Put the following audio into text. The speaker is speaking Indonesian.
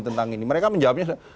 tentang ini mereka menjawabnya